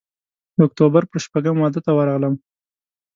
د اکتوبر پر شپږمه واده ته ورغلم.